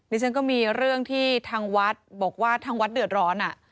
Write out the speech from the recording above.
ฉันก็มีเรื่องที่ทางวัดบอกว่าทางวัดเดือดร้อน